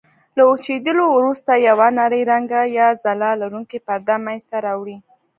له وچېدلو وروسته یوه نرۍ رنګه یا ځلا لرونکې پرده منځته راوړي.